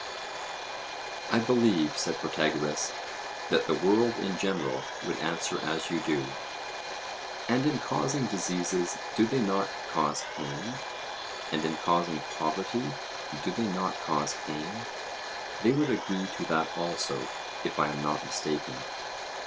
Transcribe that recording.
I believe, said Protagoras, that the world in general would answer as you do. And in causing diseases do they not cause pain? and in causing poverty do they not cause pain; they would agree to that also, if I am not mistaken?